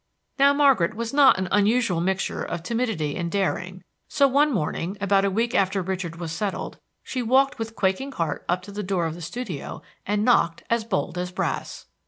Now Margaret was not an unusual mixture of timidity and daring; so one morning, about a week after Richard was settled, she walked with quaking heart up to the door of the studio, and knocked as bold as brass.